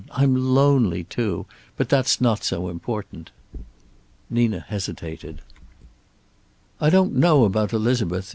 I'm lonely, too, but that's not so important." Nina hesitated. "I don't know about Elizabeth.